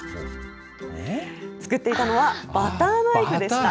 作っていたのはバターナイフでした。